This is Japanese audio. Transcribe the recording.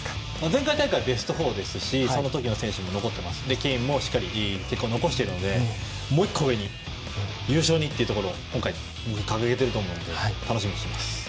前回大会はベスト４ですしその時の選手も残っていてチームもしっかり結果を残しているので、もう１個上に優勝にというところを掲げていると思うので楽しみにしています。